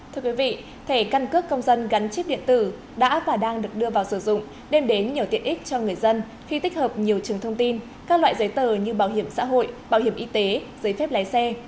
thưa quý vị thẻ căn cước công dân gắn chip điện tử đã và đang được đưa vào sử dụng đem đến nhiều tiện ích cho người dân khi tích hợp nhiều trường thông tin các loại giấy tờ như bảo hiểm xã hội bảo hiểm y tế giấy phép lái xe